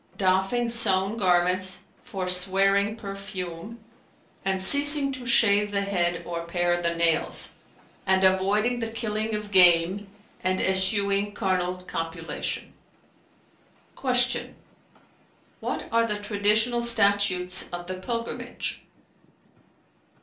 "[FN#324] "Doffing sewn garments, forswearing perfume and ceasing to shave the head or pare the nails, and avoiding the killing of game, and eschewing carnal copulation." Q "What are the traditional statutes of the pilgrimage?"